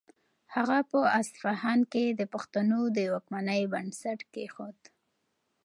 هغه په اصفهان کې د پښتنو د واکمنۍ بنسټ کېښود.